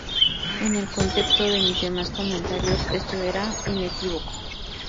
En el contexto de mis demás comentarios esto era inequívoco".